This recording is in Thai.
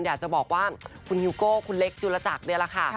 อยากจะบอกว่าคุณฮิวโก้คุณเล็กจุลจักรนี่แหละค่ะ